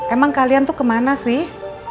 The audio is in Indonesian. emang kalian tuh kemana sih